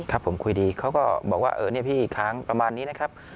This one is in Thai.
ถ้าผมคุยดีเขาก็บอกว่าเออเนี่ยพี่ค้างประมาณนี้นะครับ